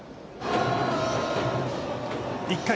１回。